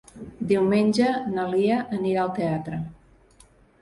Diumenge na Lia anirà al teatre.